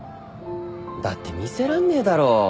だって見せらんねえだろ。